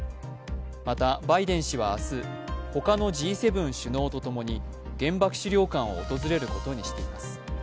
また、バイデン氏は明日、他のＧ７首脳とともに原爆資料館を訪れることにしています。